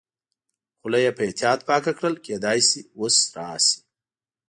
خوله یې په احتیاط پاکه کړل، کېدای شي اوس راشي.